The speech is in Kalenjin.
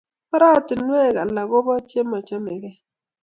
Oratunwek alak kopa chemochomeke.